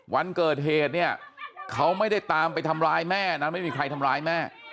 วันเกิดเหตุเนี่ยเขาไม่ได้ตามไปทำร้ายแม่นะไม่มีใครทำร้ายแม่